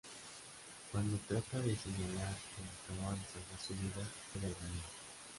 Cuando trata de señalar que le acaba de salvar su vida, ella lo niega.